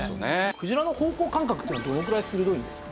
クジラの方向感覚っていうのはどのくらい鋭いんですか？